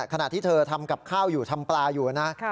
ขณะที่เธอทำกับข้าวอยู่ทำปลาอยู่นะ